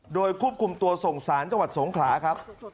โดยควบคุมตัวส่งสารจังหวัดสงขลาครับ